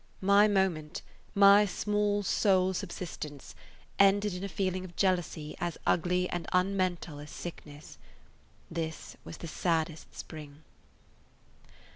My moment, my small sole [Page 128] subsistence, ended in a feeling of jealousy as ugly and unmental as sickness. This was the saddest spring.